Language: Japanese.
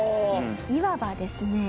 いわばですね